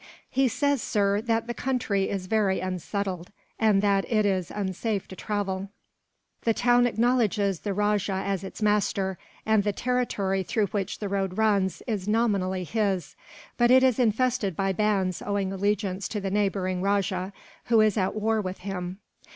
"He says, sir, that the country is very unsettled, and that it is unsafe to travel. The town acknowledges the rajah as its master, and the territory through which the road runs is nominally his; but it is infested by bands owing allegiance to a neighbouring rajah, who is at war with him."